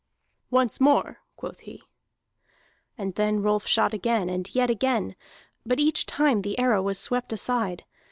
"Once more!" quoth he. And then Rolf shot again, and yet again, but each time the arrow was swept aside.